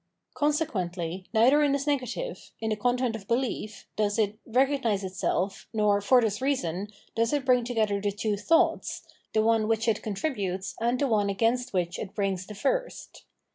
Consequently, neither in this negative, in the content of behef, does it recognise itself, nor, for this reason, does it bring to gether the two thoughts, the one which it contributes and the one against which it brings the first.